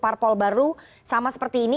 parpol baru sama seperti ini